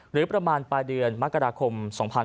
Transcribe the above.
หรือประมาณปลายเดือนมกราคม๒๕๖๒